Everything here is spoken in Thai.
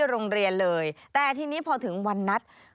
โรงเรียนเลยแต่ทีนี้พอถึงวันนัด